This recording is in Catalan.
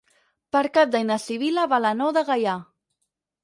Per Cap d'Any na Sibil·la va a la Nou de Gaià.